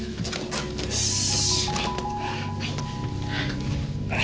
よし！